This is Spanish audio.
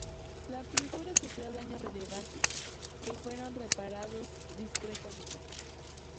La pintura sufrió daños relevantes, que fueron reparados discretamente.